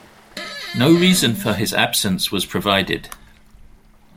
No reason for his absence was provided.